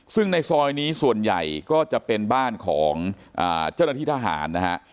ซึ่งในซอยนี้ส่วนใหญ่ก็จะเป็นบ้านของเจ้าหน้าที่ทหารนะฮะ